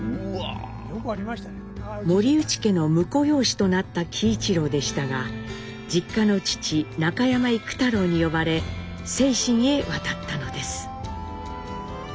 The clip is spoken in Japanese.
森内家の婿養子となった喜一郎でしたが実家の父中山幾太郎に呼ばれ清津へ渡ったのです。